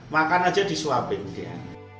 makan aja disuapin dia